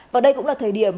vào đây cũng là thời điểm